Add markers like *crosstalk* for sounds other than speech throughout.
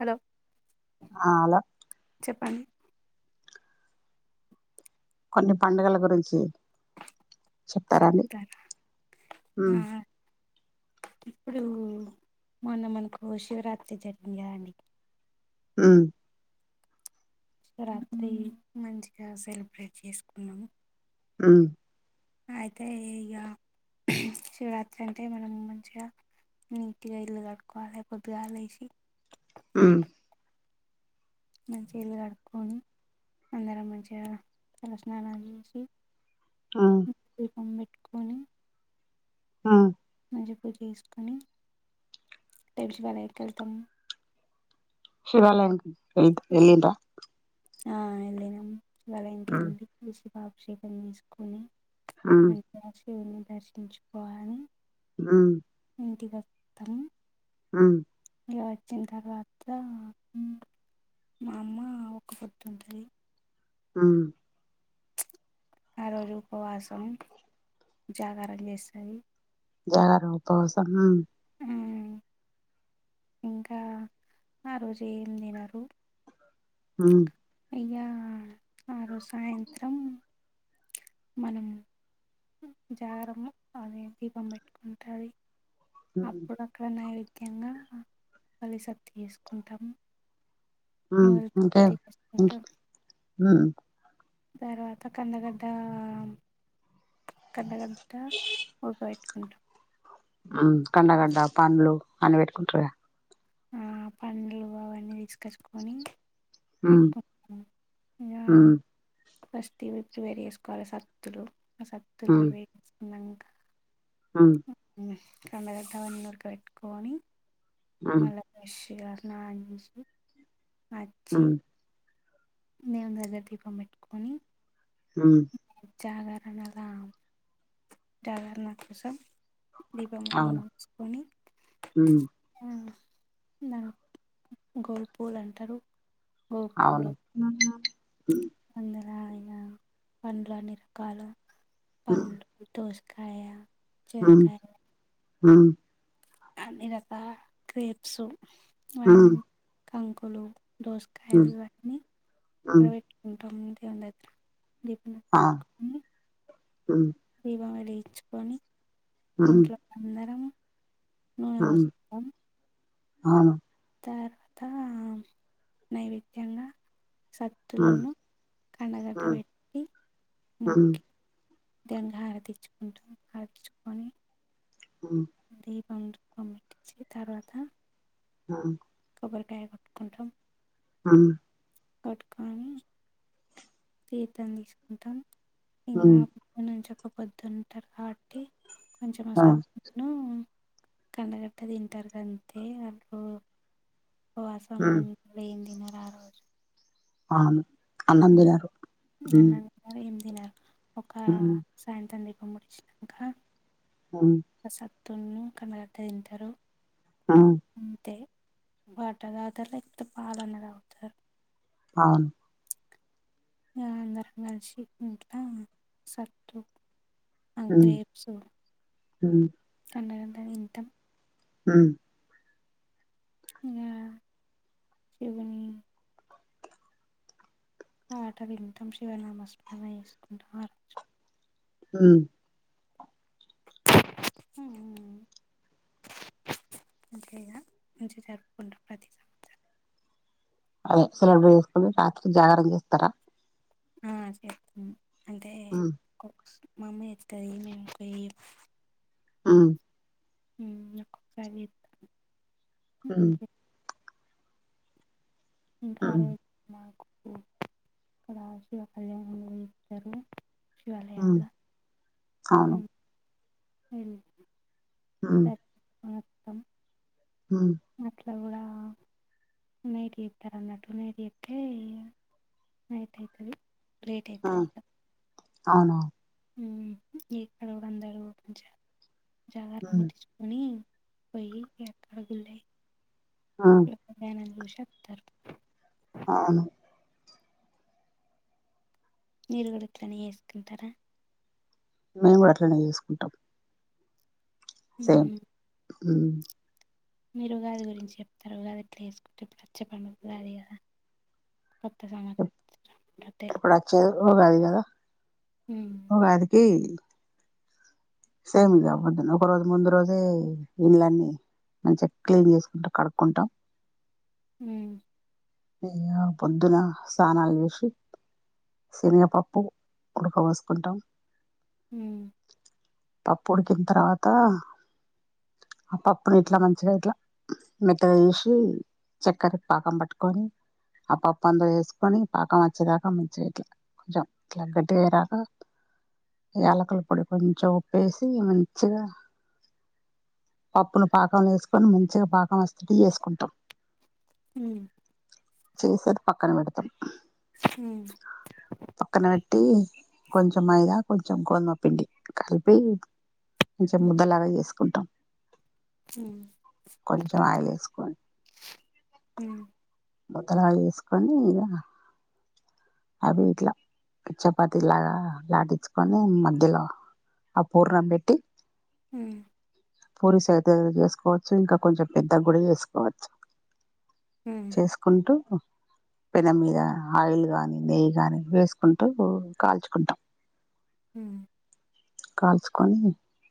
Hello ఆ అలా చెప్పండి కొన్ని పండుగల గురించి చెప్తారాండి చెప్తారా అ ఉమ్ ఇప్పుడు మొన్న మనకు శివరాత్రి జరిగింది కదాండి ఆ శిరాత్రి మంచిగా సెలబ్రేట్ చేసుకున్నాము హ్మ్మ్ అయితే ఇక శివరాత్రి అంటే మనం మంచిగా నీట్గా ఇల్లు కాడుకోవాలి పొద్దుగాలే లేసి ఉమ్ మంచి ఇలుు కడుక్కకొని అందరం మంచిగా తలస్నానాలు చేసి ఉమ్ అంబెట్కని ఆ మంచి పూజ చేసుకొని శివాలయనికి వెళ్తాము వెళ్లాలనుకునం లేదు వెళ్లిందా ఆ వెళ్ళినము శివాలయం ఇంకెళ్ళి అభిషేకం చేస్కుని ఉమ్ మంచిగా శివుని దర్శించుకోవాలి ఉమ్మ్ ఇంటికీ వాతాము ఇగ వచ్చిన తర్వాత మా అమ్మ ఒక పొద్దుంటది ఆ ఆ రోజు ఉపవాసం జాగరం చేస్తది జగరం ఉపావసంమా ఇంకా ఆ రోజు ఏం తినరు ఉమ్ ఈగా ఆరోజు సాయంత్రం మనం జాగరం లో అమ్మే దీపం పెట్టుకుంటాది ఉమ్ అప్పుడు అక్కడ నైవేద్యంగా ఫలిసత్తు చేసుకుంటాము ఆ ఇంకా మ్మ్ తర్వాత కన్నగడ్డ కండగడ్డ ఉడక పెట్టుకుంటారు ఆ కండగడ్డ పండ్లు అని పెట్టుకుంటారు గా ఆ పండ్లు అవన్నీ తీసుకచ్చుకొని ఉమ్ పెడ్తాము యా ఉమ్ ఫస్ట్ ఇవి ప్రిపేర్ చేసుకోవాలి సత్తులు ఆ సత్తులు ప్రిపేర్ చేసుకున్నగా ఆ కండగడ్ద్ అవన్నీ ఉడకబెట్టుకొని ఉమ్ మల్ల ఫ్రెష్ గా నంచి అంచి ఉమ్ దేవునిదగ్గర దీపం పెట్టుకొని హ జాగరణలా జాగరణ కోసం దీపములను అవును నోసుకోని ఉమ్ ఆహ్ దాని గోగు పూలు అంటారు గోవు అవును పూలు అలా అయినా పండ్లు అన్ని రకారా పండ్లు దోసకాయ చనక్కాయ ఆ అన్ని రకాల క్రేప్స్ అని ఉమ్ కంకులు దోసకాయలు ఉమ్ ఇవి అని ఉమ్ అక్కడ ఉమ్. పెట్టుకుంటాం దీపం దెగర దీపన ఆ పెట్టుకొని ఉమ్ వడించుకొని ఉమ్ ఇంట్లో అందరం ఇల్లు ఉడుస్తాం ఆ తర్వాత నైవేద్యంగా సత్తులను కండగడ్డబెట్టి మొక్కి గంగా హారతి ఇచ్చుకుంటాం అది ఇచ్చుకొని ఉ *inaudible* తర్వాత ఆ కొబరికాయ కోట్టుకుంటాం ఆ కొట్టుకొని తీర్థం తీసుకుంటాం ఇంకా పొద్దటి నుంచి ఒక పొద్దుంటారు కాబట్టి కొంచెం సత్తులను కండగట్ట తింటారు కంతే వాళ్ళు ఉపవాసం ఉంటాం ఏం తినరు ఆరోజు అవును అన్నం తిన్నారు మ్మ్ నా ఒక సాయంత్రం దీపం ముట్టిచ్చినంక ఆ కండ గడ్డ తింటారు ఉమ్, అంతే వాటర్ తాగుతారు లేకపోతే పాలన తాగుతారు అవును ఇగా అందరం కలిసి ఇంట్లా డేట్స్ గ్రేప్స్ కందగడ్డ తింటాం మ్మ్ ఇయ ఇవని ఆట వింటం శివనామస్మరణ చేసుకుంటాం ఉమ్ హ *inaudible* మంచిగా జరుపుకున్న ప్రతి సంవత్సరం అదే సెలబ్రేట్ చేసుకుని రాత్రి జాగరణ చేస్తారా ఆ చెత్తం అంటే ఉమ్, మా అమ్మ చెత్తది మేం ఎక్కువ చెయ్యం మ్ మ్ ఒక్కొక్కసారి ఉమ్, చెత్తం ఇంకా *inaudible* ఉమ్, అక్కడ శివ కళ్యాణం జెస్తారు ఉమ్, శివాలయంలో అవును మ్ *inaudible* దర్మ ఆర్థం ఆ నైట్ జెత్తరు అన్నట్టు నైట్ జేత్తే నైట్ అయితది. లేట్ అయితది అవునా మ్ ఊరందరు జ జాగారం ఉమ్, ముట్టిచ్చుకుని పోయి ఏకాగున్నాయి ఆ ననుషత్తర్ అ మీరు గూడా ఇట్లనే చెసుకుంటారా మేము అట్లనే చేసుకుంటాం మ్మ్ మ్ మీరు ఉగాది గురించి చెప్తార ఉగాది ఎట్లా చెసుకుంటరు ఇప్పుడు చెప్పండి ఉగాదె గదా కొత్త దేమో ఇప్పుడొచ్చేది ఉగాదె గదా మ్మ్. ఉగాదికి సేమ్ ఇగ ఒక రోజు ముందు రోజే ఇండ్లన్నీ మంచిగా క్లీన్ చేసుకుంటా కడుక్కుంటా మ్మ్ అయ్యా పొద్దున స్నానాలు జెసి శనగపప్పు ఉడకబోసుకుంటాం. మ్ పప్పు ఉడికిన తర్వాత అ పప్పులిట్ల మంచిగా ఇట్లా మెత్తగా జెసి చక్కర పాక పటు కని ఆ పప్పు అంత జెసుకొని పాకం వచ్చేదాకా మంచిగా ఇట్లా కొంచెం ఇట్ల బెడ్ అయ్యే రాక యాలకల పొడి కొంచెం ఉప్పేసి మంచిగా పప్పును పాకంలేసుకొని మంచిగా పాకం వస్తే టీ చేసుకుంటాం మ్మ్ చేసి అది పక్కన పెడతాం మ్ ట్టి కొంచెం మైదా కొంచెం గోధుమ పిండి కలిపి కొంచం ముద్దలాగా చేసుకుంటాం మ్మ్. కొంచెం ఆయిలేసుకోని మ్ ముద్దు లా చేసుకొని ఇక అదివి ఇట్లా చపాతి లాగా లాటిచుకొని మధ్యలో ఆ పూర్ణం పెట్టి మ్ పూరి సైత చేసుకోవచ్చు ఇంకా కొంచెం పెద్ద గుడచేసుకోవచ్చు మ్మ్. చేసుకుంటూ పెనెం మీద ఆయిల్ గాని నెయ్యి గాని వేసుకుంటూ కాల్చుకుంటాం మ్ కాల్చుకొని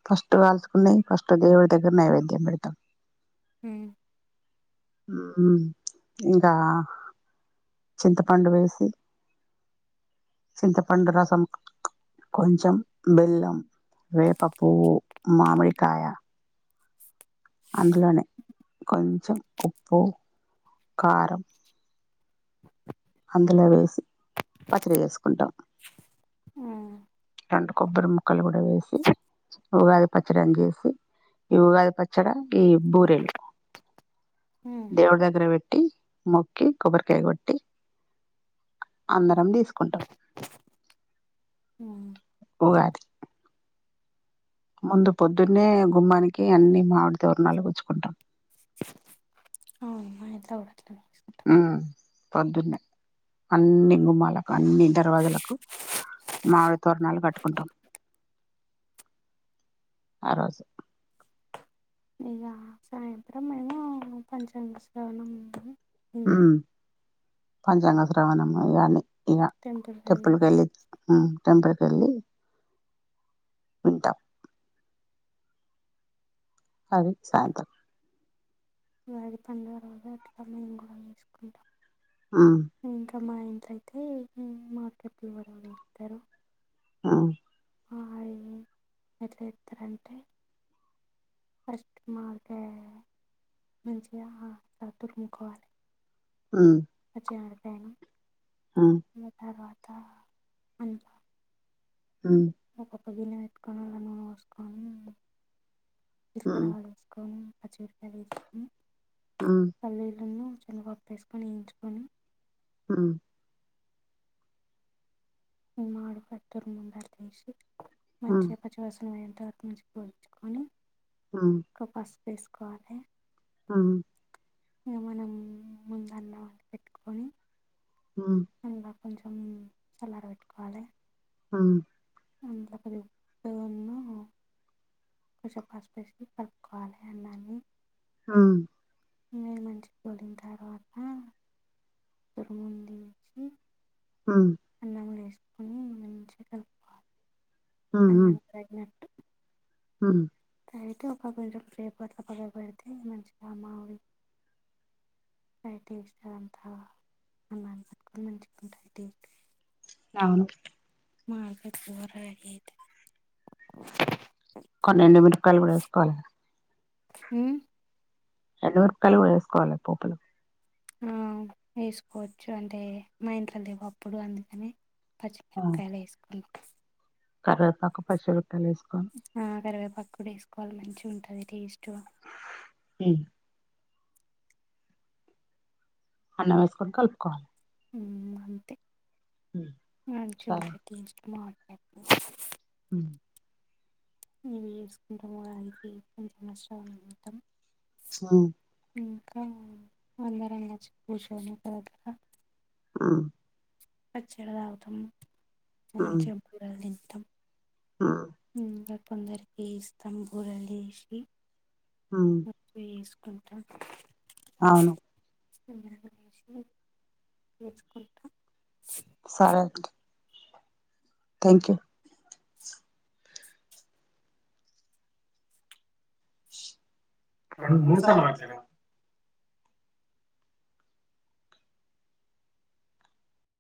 ఫస్ట్ కాల్చుకున్నయి ఫస్ట్ దేవుడి దగ్గర నైవేద్యం పెడతం మ్ మ్ ఇంకా చింతపండు వేసి చింత పండు రసం కొంచెం బెల్లం వేప పూవు మామిడి కాయ అందులోనే కొంచెం ఉప్పు కారం అందులో వేసి పచ్చడి చేేసుకుంటాం మ్ రెండు కొబ్బరి ముక్కలు కూడా వేసి ఉగాది పచ్చడిని చేసి ఈ ఉగాది పచ్చడి ఈ బూరెలు మ్మ్. దేవుడి దగ్గర పెట్టి మొక్కి కొబ్బరికాయ కొట్టి మ్మ్. అందరం తీసుకుంటాం మ్మ్. ఉగాది ముందు పొద్దున్నే గుమ్మానికి అన్ని మామిడి తోరణాలు గుచ్చుకుంటాం అవుమా ఎంత కూడాడ *inaudible* మ్ పొద్దున్నే అన్ని గుమ్మాలకు అన్ని దర్వాజలకు మామిడి తోరణాలు కట్టుకుంటాం ఆ రోజు ఇక సాయంత్రం మేము పంచంగ శ్రవణం వింటాం ఉమ్ పంచాంగ శ్రావణము ఇనీ ఇక టెంపుల్కి వెళ్ళి టెప్పులు కళ్ళి పంచాంగ మ్... టెంపుల్ కెళ్లి వింటాం అది సాంతం *inaudible* పండు అరటి పండు మేము కూడా వేసుకుంటాం మ్ మా ఇంట్లోయితే మార్కెట్లు ఎవరో ఇస్తారు మ్ మా ఇంట్లో ఎట్లా ఇస్తారంటే ఫస్ట్ మామిడి కాయ మంచిగాతురుముకోవాలి మ్ జార్డ్యాన్ తర్వాత అధ *inaudible* హ్మ్. ఒకొక్క గిన్నె పెట్టుకొని అలా నూనె వేసుకోని చికరా హ్మ్. వేసుకొని పచిమిరపకాయలు వేసుకొని హ్మ్. పల్లీలను పొప్పేసుకొని వేయించుకొని మ్ *unintelligible* దటి హ్మ్. నుంచి పోడ్ంచుకొని ఒకం పసుపు వేసుకోవాలి మ్ ఇహ మనం ముందు అన్నం పెట్టుకొని మ్ అందులో కొంచెం సల్లారా పెట్టుకోవాలి. ఆ *unintelligible* ఉన్నా కొంచెం పసుపేసి కలుపుకోవాలి అన్నాన్ని. ఆఁ *unintelligible* పోలిన తర్వాత తరుముంది ఏసి హ్మ్. అన్నములో వేసుకొని మంచిగా కలుపుకోవాలి హ్మ్. హ్మ్. అన్నానికి తగినట్టు హ్మ్ అయితే ఒక *unintelligible* పెడితే మంచిగా మా రైటింగ్ ఇస్తారంటా *unintelligible* అవును *unintelligible* పన్నెండు మిరకాయలు కూడా వేసుకోవాలి కదా మ్మ్ ఎండు మిరపకాయలు కూడ ఏసుకోవాలి పోపులో ఆఁ ఏసుకోవచ్చు అంటే మా ఇంట్లో లేవు అప్పుడు అందుకని. పచ్చి మిరకాయలు వేసుకున్నం కరేపాకు పచ్చి మిరపకాయలు ఏసుకొని ఆ కరివేపాకు కూడా వేసుకోవాలి మంచిగ ఉంటది టేస్ట్ గా. హ్మ్ అన్నం ఏసుకొని కలుపుకోవాలి. మ్మ్ అంతే హ్మ్. మంచిగ సరే. ఉంటది టేస్ట్ మామిడికాయ *unintelligible* మ్ ఇవి చేసుకుంటము వారనికి *unintelligible* హ్మ్ ఇంకా అందరు అనచ్చు కూర్చుని *unintelligible* మ్ పచ్చడ తాగుతున్న హ్మ్. మంచిగా బూరెలు తిటం హ్మ్. ఇంగ కొందరికి ఇస్తం బూరెలు చేసి హ్మ్. *unintelligible* అంటే అవును. *unintelligible* సరే అండి థ్యాంక్ యూ డు మూడు సార్లు చేసుకుంటాం రాశాడా?